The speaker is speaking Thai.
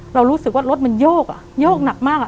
เรารู้สึกว่ารถมันโยกอ่ะโยกหนักมาก